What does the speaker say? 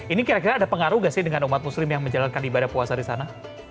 ini kira kira ada pengaruh gak sih dengan umat muslim yang menjalankan ibadah puasa di sana